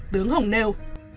tướng hồng nêu